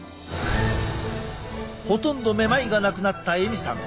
ほとんどめまいがなくなったエミさん。